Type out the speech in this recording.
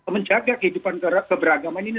menjaga kehidupan keberagaman ini